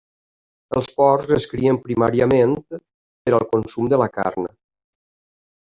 Els porcs es crien primàriament per al consum de la carn.